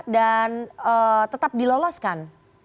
dan tetap diloloskan